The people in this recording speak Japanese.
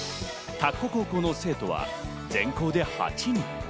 田子高校の生徒は全校で８人。